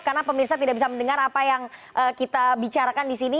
karena pemirsa tidak bisa mendengar apa yang kita bicarakan di sini